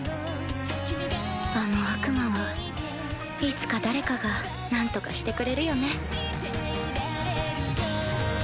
あの悪魔はいつか誰かが何とかしてくれるよね